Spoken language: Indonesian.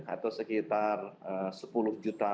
atau sekitar sepuluh juta